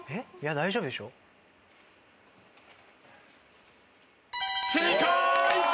大丈夫でしょ？正解！